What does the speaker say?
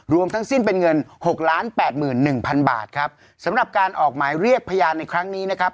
รวมทั้งสิ้นเป็นเงินหกล้านแปดหมื่นหนึ่งพันบาทครับสำหรับการออกหมายเรียกพยานในครั้งนี้นะครับ